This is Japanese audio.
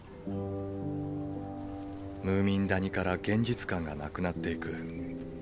ムーミン谷から現実感がなくなっていく。